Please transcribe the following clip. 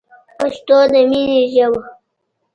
پښتو دی مینی ژبه